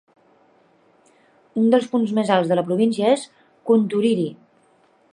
Un dels punts més alts de la província és Kunturiri.